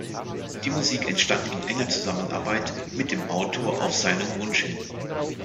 Die Musik entstand in enger Zusammenarbeit mit dem Autor auf seinen Wunsch hin.